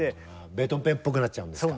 ベートーベンっぽくなっちゃうんですか。